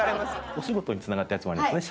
お仕事につながったやつもあるんですよね？